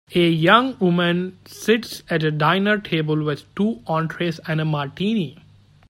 A young woman sits at a dinner table with two entrees and a martini